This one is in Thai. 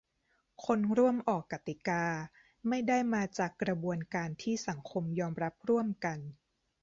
คนร่วมออกกติกา ไม่ได้มาจากกระบวนการที่สังคมยอมรับร่วมกัน